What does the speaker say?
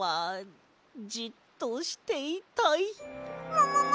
ももも？